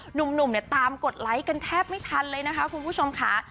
หนุ่มเนี่ยตามกดไลค์กันแทบไม่ทันเลยนะคะคุณผู้ชมค่ะ